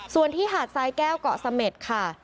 ส่วนที่หาดทรายแก้วเกาะเสม็ดค่ะ